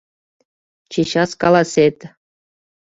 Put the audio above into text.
— Чечас каласет!